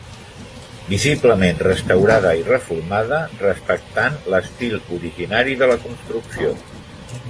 Visiblement restaurada i reformada, respectant l'estil originari de la construcció.